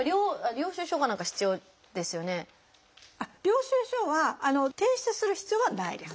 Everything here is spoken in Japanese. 領収書は提出する必要はないです。